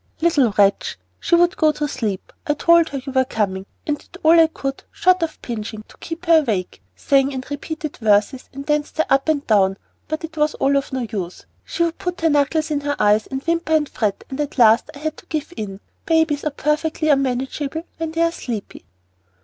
"Little wretch! she would go to sleep. I told her you were coming, and I did all I could, short of pinching, to keep her awake, sang, and repeated verses, and danced her up and down, but it was all of no use. She would put her knuckles in her eyes, and whimper and fret, and at last I had to give in. Babies are perfectly unmanageable when they are sleepy."